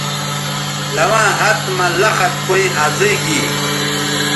لواں ہَت مہ لخت کویں ازئ گی